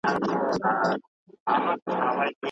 که ته غواړې پوه شې نو د منځنۍ پېړۍ تاريخ ولوله.